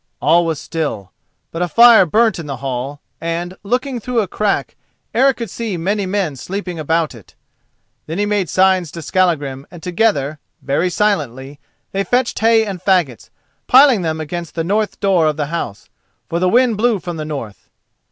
All was still; but a fire burnt in the hall, and, looking through a crack, Eric could see many men sleeping about it. Then he made signs to Skallagrim and together, very silently, they fetched hay and faggots, piling them against the north door of the house, for the wind blew from the north.